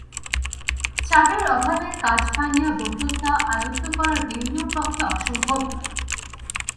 চাবির অভাবে কাচ ভাঙিয়া বোতলটা আয়ত্ত করা বিন্দুর পক্ষে অসম্ভব নয়।